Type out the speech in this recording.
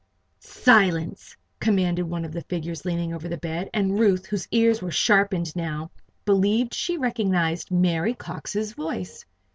"Silence!" commanded one of the figures leaning over the bed, and Ruth, whose ears were sharpened now, believed that she recognized Mary Cox's voice.